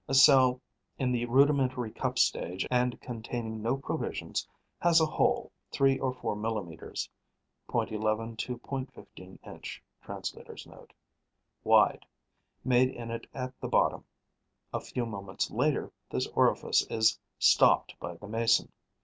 A cell in the rudimentary cup stage and containing no provisions has a hole, three or four millimetres (.11 to.15 inch. Translator's Note.) wide, made in it at the bottom. A few moments later, this orifice is stopped by the Mason.